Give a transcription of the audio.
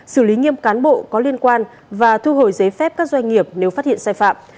xử lý nghiêm cán bộ có liên quan và thu hồi giấy phép các doanh nghiệp nếu phát hiện sai phạm